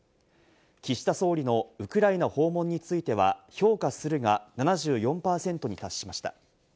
岸田総理のウクライナ訪問については評価するが７４％に達しました。